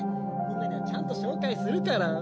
みんなにはちゃんと紹介するから。